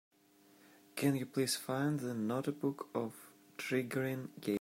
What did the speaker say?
Can you please find The Notebook of Trigorin game?